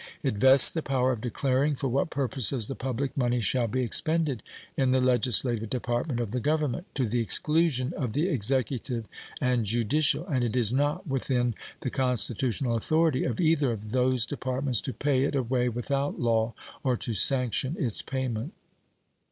It vests the power of declaring for what purposes the public money shall be expended in the legislative department of the Government, to the exclusion of the executive and judicial, and it is not within the constitutional authority of either of those departments to pay it away without law or to sanction its payment.